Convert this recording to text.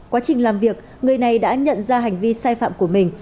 quá trình làm việc người này đã nhận ra hành vi sai phạm của mình